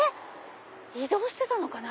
移動してたのかな？